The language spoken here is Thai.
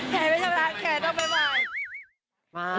แค้นไม่สำนักแค้นต้องบ๊ายบาย